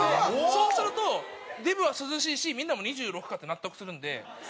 そうするとデブは涼しいしみんなも２６かって納得するんで。